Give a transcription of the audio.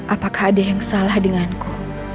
apakah ada yang salah denganku